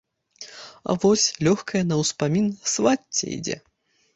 А вось, лёгкая на ўспамін, свацця ідзе.